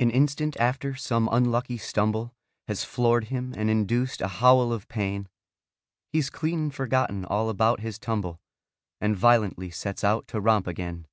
An instant after some unlucky stumble Has floored him and induced a howl of pain, He's clean forgotten all about his tumble And violently sets out to romp again.